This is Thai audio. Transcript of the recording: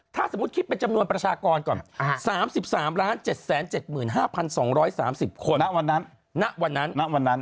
ถ้าสมมุติคิดเป็นจำนวนประชากรก่อน๓๓๗๗๕๒๓๐คนณวันนั้นณวันนั้น